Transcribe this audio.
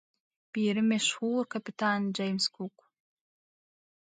Biri meşhuur Kapitan James Cook.